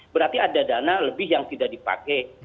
berarti ada dana lebih yang tidak dipakai